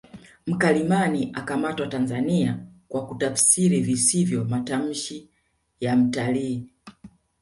Mkalimani akamatwa Tanzania kwa kutafsiri visivyo matamshi ya mtalii